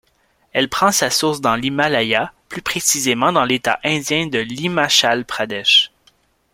Elle prend sa source dans l’Himalaya, plus précisément dans l’état indien de l’Himachal Pradesh.